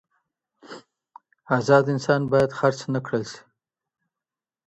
ازاد انسان بايد خرڅ نه کړل سي.